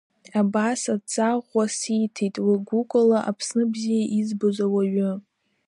Абас адҵа ӷәӷәа сиҭеит уи гәыкала Аԥсны бзиа избоз ауаҩы.